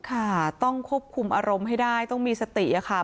ค่ะต้องควบคุมอารมณ์ให้ได้ต้องมีสติค่ะ